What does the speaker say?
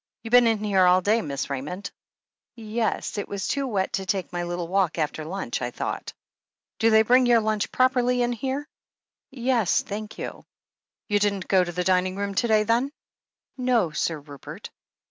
"You been in here all day. Miss Raymond ?" "Yes. It was too wet to take my little walk after limch, I thought." "Do they bring your lunch properly in here ?" 290 THE HEEL OF ACHILLES 291 'Yes, thank you." 'You didn't go to the dining room to day, then?" "No, Sir Rupert."